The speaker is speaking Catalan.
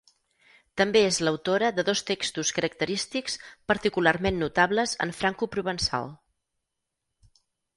També és l'autora de dos textos característics particularment notables en francoprovençal.